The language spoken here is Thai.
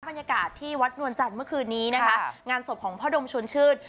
บรรยากาศที่วัดนวลจันทร์เมื่อคืนนี้นะคะงานศพของพ่อดมชวนชื่น